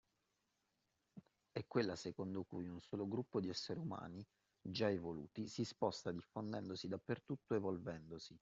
È quella secondo cui un solo gruppo di esseri umani già evoluti si sposta diffondendosi dappertutto evolvendosi.